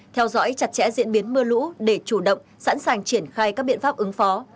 theo dõi chặt chẽ diễn biến mưa lũ để chủ động sẵn sàng triển khai các biện pháp ứng phó